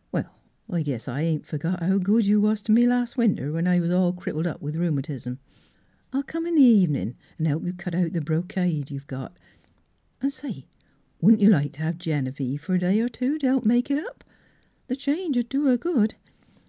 " Well, I guess I ain't forgot how good you was to me last winter when I was all crippled up with rheumatism. I'll come in the evenin' an' help you cut out the bro cade you've got. An', say, wouldn't you like t' have Genevieve for a day or two t' help make it up? The change'd do her good."